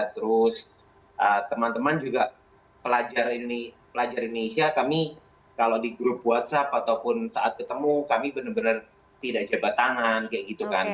terus teman teman juga pelajar indonesia kami kalau di grup whatsapp ataupun saat ketemu kami benar benar tidak jabat tangan kayak gitu kan